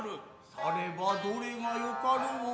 さればどれがよかろうか。